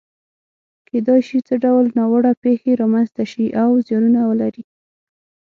کېدای شي څه ډول ناوړه پېښې رامنځته شي او زیانونه ولري؟